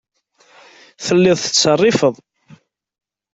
Telliḍ tettṣerrifeḍ.